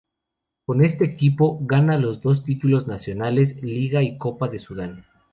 Con este equipo gana los dos títulos nacionales: Liga y Copa de Sudán.